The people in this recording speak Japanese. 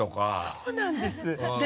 そうなんです。